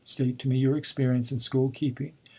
State to me your experience in school keeping.